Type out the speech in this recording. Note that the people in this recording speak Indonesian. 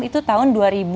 itu tahun dua ribu enam